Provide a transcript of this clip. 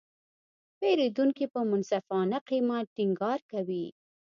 پیرودونکي په منصفانه قیمت ټینګار کوي.